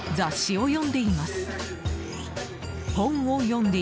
本を読んでいます。